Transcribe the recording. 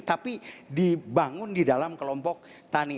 tapi dibangun di dalam kelompok tani